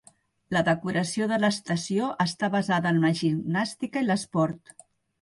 La decoració de l'estació està basada en la gimnàstica i l'esport.